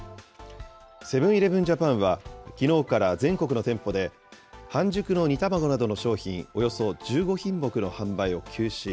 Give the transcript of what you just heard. セブン−イレブン・ジャパンは、きのうから全国の店舗で、半熟の煮卵などの商品およそ１５品目の販売を休止。